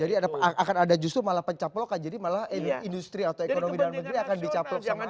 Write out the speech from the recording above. jadi akan ada justru malah pencaplokan jadi malah industri atau ekonomi dalam negeri akan dicaplok sama asing